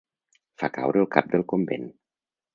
Fa caure el cap del convent.